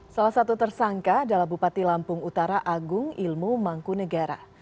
salah satu tersangka adalah bupati lampung utara agung ilmu mangkunegara